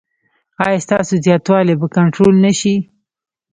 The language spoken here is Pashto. ایا ستاسو زیاتوالی به کنټرول نه شي؟